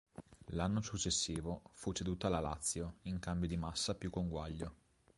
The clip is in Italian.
L'anno successivo fu ceduto alla Lazio, in cambio di Massa più conguaglio.